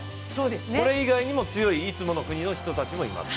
これ以外にも強いいつもの人たちもいます。